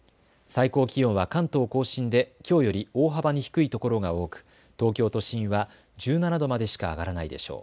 最高気温は関東甲信できょうより大幅に低いところが多く東京都心は１７度までしか上がらないでしょう。